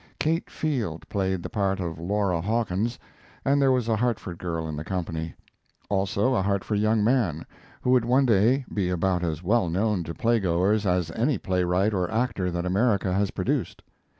Kate Field played the part of Laura Hawkins, and there was a Hartford girl in the company; also a Hartford young man, who would one day be about as well known to playgoers as any playwright or actor that America has produced.